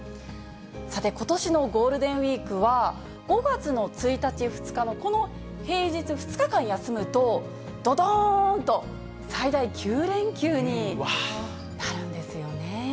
さて、ことしのゴールデンウィークは、５月の１日、２日のこの平日２日間休むと、どどーんと、最大９連休になるんですよね。